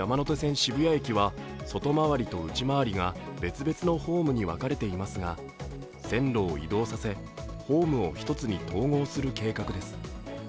渋谷駅は外回りと内回りが別々のホームに分かれていますが線路を移動させホームを１つに統合する計画です。